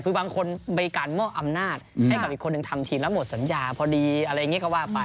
คือบางคนมีการมอบอำนาจให้กับอีกคนหนึ่งทำทีมแล้วหมดสัญญาพอดีอะไรอย่างนี้ก็ว่าไป